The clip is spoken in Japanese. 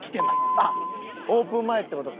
あっオープン前って事か。